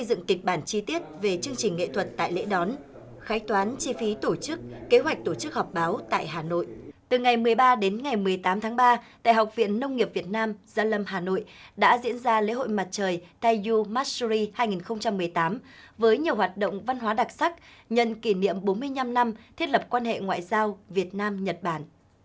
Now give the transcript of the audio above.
từ ngày một mươi ba đến ngày một mươi tám tháng ba tại học viện nông nghiệp việt nam gia lâm hà nội đã diễn ra lễ hội mặt trời taiyu matsuri hai nghìn một mươi tám với nhiều hoạt động văn hóa đặc sắc nhận kỷ niệm bốn mươi năm năm thiết lập quan hệ ngoại giao việt nam nhật bản